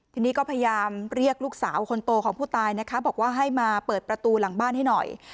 ทีนี้ก็พยายามเรียกลูกสาวคนโตของผู้ตายนะคะบอกว่าให้มาเปิดประตูหลังบ้านให้หน่อย